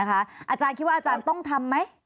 อาจารย์คิดว่าอาจารย์ต้องทำไหม